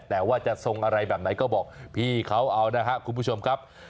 แต่ว่าจะทรงอะไรแบบไหนก็บอกพี่เขาเอานะครับคุณผู้ชมครับ